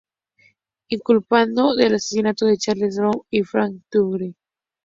Inculpado del asesinato de Charles Horman y Frank Teruggi.